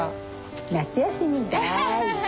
夏休みだい！